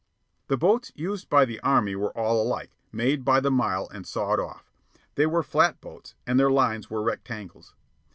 The boats used by the Army were all alike, made by the mile and sawed off. They were flat boats, and their lines were rectangles.